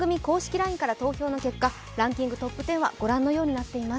ＬＩＮＥから投票の結果、ランキングトップ１０はご覧のようになっています。